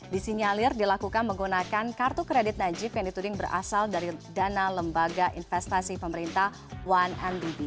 disinyalir dilakukan menggunakan kartu kredit najib yang dituding berasal dari dana lembaga investasi pemerintah satu mdb